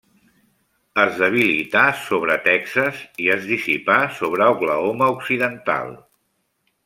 Es debilità sobre Texas, i es dissipà sobre Oklahoma occidental.